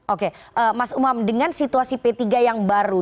oke mas umam dengan situasi p tiga yang baru